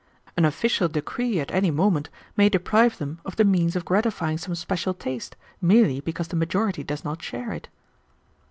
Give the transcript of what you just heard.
An official decree at any moment may deprive them of the means of gratifying some special taste, merely because the majority does not share it."